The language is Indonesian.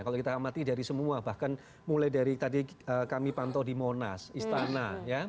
kalau kita amati dari semua bahkan mulai dari tadi kami pantau di monas istana